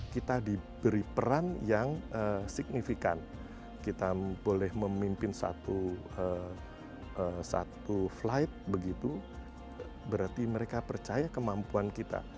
kita diberi peran yang signifikan kita boleh memimpin satu flight begitu berarti mereka percaya kemampuan kita